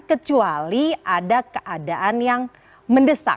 kecuali ada keadaan yang mendesak